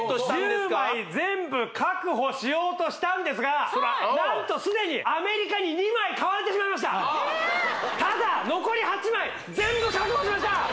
１０枚全部確保しようとしたんですが何とすでにアメリカに２枚買われてしまいましたああただ残り８枚全部確保しました！